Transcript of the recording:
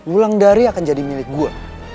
ulan dari akan jadi milik gue